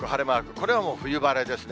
これはもう冬晴れですね。